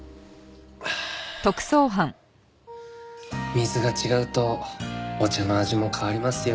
水が違うとお茶の味も変わりますよ。